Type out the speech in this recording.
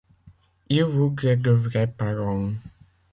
Il voudrait de vrais parents.